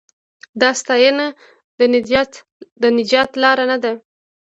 دا ستاینه د نجات لار نه ده.